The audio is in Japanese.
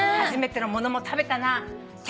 初めてのものも食べたな。